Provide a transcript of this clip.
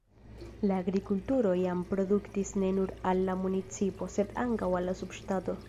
La agrikulturo jam produktis ne nur al la municipo, sed ankaŭ al la subŝtato.